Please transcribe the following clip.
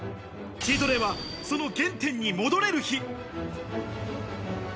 チートデイはその原点に戻れる日。